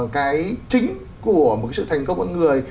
cái chính của một sự thành công của một người